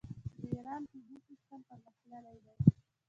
د ایران طبي سیستم پرمختللی دی.